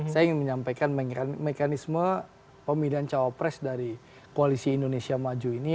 saya ingin menyampaikan mekanisme pemilihan cawapres dari koalisi indonesia maju ini